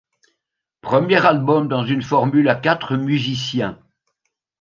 Premier album dans une formule à quatre musiciens.